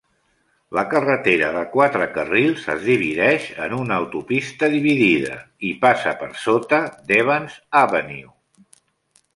La carretera de quatre carrils es divideix en una autopista dividida i passa per sota d'Evans Avenue.